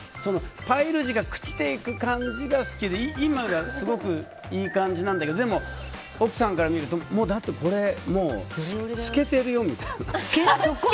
パイル地が朽ちていく感じが好きで今がすごいいい感じなんだけどでも奥さんから見るとだってこれ、もう透けてるよみたいな。